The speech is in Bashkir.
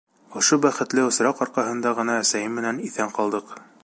Ошо бәхетле осраҡ арҡаһында ғына әсәйем менән иҫән ҡалдыҡ.